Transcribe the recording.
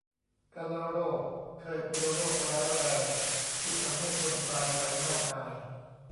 กาฬโรค เคยเป็นโรคร้ายแรงที่ทำให้คนตายไปมากมาย